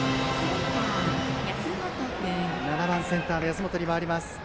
７番センターの安本に回ります。